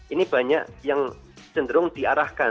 ini banyak yang cenderung diarahkan